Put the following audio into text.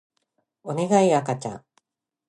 おねがい赤ちゃん